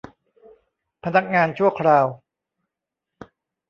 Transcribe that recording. พนักงานชั่วคราว